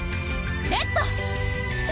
レッド！